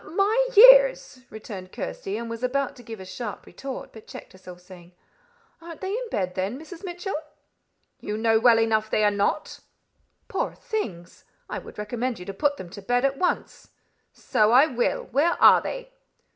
"At my years!" returned Kirsty, and was about to give a sharp retort, but checked herself, saying, "Aren't they in bed then, Mrs. Mitchell?" "You know well enough they are not." "Poor things! I would recommend you to put them to bed at once." "So I will. Where are they?"